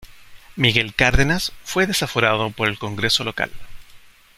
Miguel Cárdenas fue desaforado por el Congreso Local.